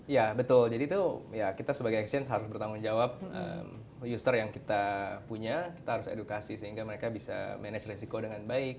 ya betul jadi itu ya kita sebagai action harus bertanggung jawab user yang kita punya kita harus edukasi sehingga mereka bisa manage resiko dengan baik